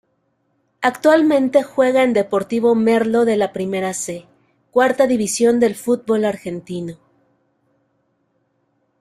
Actualmente juega en Deportivo Merlo de la Primera C, cuarta división del fútbol argentino.